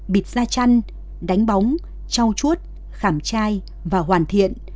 bịt ra chăn đánh bóng trau chuốt khảm chai và hoàn thiện